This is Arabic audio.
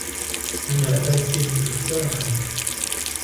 أنا آكل تفاحةً.